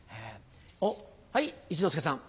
おっ一之輔さん。